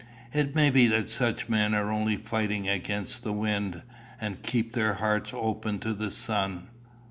It may be that such men are only fighting against the wind, and keep their hearts open to the sun.